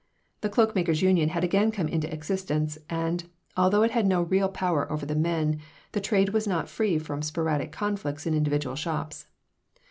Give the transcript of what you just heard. The Cloak makers' Union had again come into existence, and, although it had no real power over the men, the trade was not free from sporadic conflicts in individual shops.